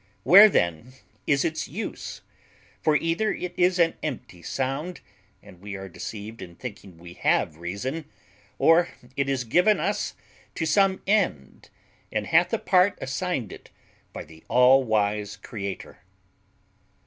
Where then is its use? For either it is an empty sound, and we are deceived in thinking we have reason, or it is given us to some end, and hath a part assigned it by the all wise Creator.